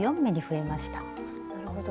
なるほど。